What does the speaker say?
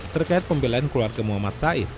terkait pembelaan keluarga muhammad said